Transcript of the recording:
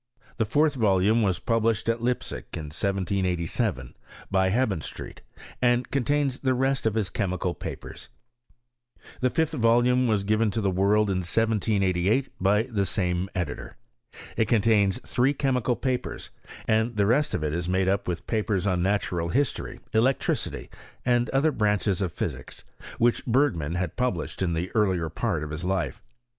The fourth volume was published at Leipsic, in 1787, by Hebenstreit, and contains the rest of his chemi cal papers. The fifth volume was given to the world in 1788, by the same editor. It contains three chemical papers, and the rest of it is made up with papers on natural history, electricity, and other branches of physics, which Bergman had published in the earlier part of his life.